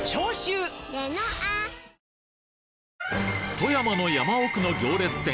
富山の山奥の行列店